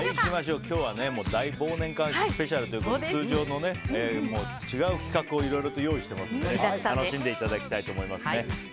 今日は大忘年会スペシャルということで通常とは違う企画をいろいろ用意してますので楽しんでいただきたいと思いますね。